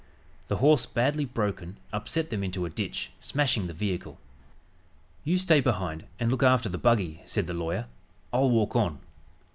The horse, badly broken, upset them into a ditch, smashing the vehicle. "You stay behind and look after the buggy," said the lawyer. "I'll walk on."